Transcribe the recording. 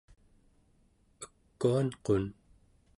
ekuanqun